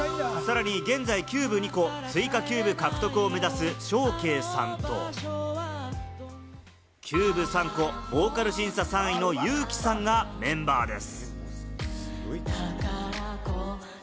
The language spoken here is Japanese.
さらに、現在キューブ２個、追加キューブ獲得を目指すショウケイさんと、キューブ３個、ボーカル審査３位のユウキさんがメンバーです。